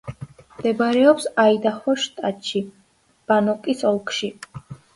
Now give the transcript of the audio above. მდებარეობს აიდაჰოს შტატში, ბანოკის ოლქში.